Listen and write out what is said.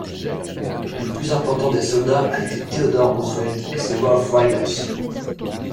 Le plus important des soldats a été Theodore Roosevelt et ses Rough Riders.